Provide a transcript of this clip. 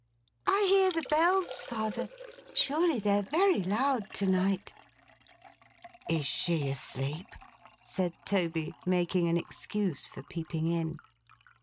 'I hear the Bells, father. Surely they're very loud to night.' 'Is she asleep?' said Toby, making an excuse for peeping in.